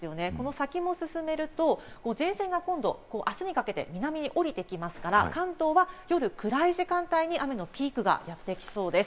先を進めると前線が今度、あすにかけて南に下りてきますから、関東は夜、暗い時間帯に雨のピークが来そうです。